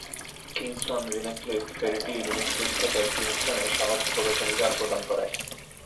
Kingston-Rhinecliff ফেরিটি রিনেক্লিফ থেকে কিংস্টনে সহজ প্রবেশাধিকার প্রদান করে।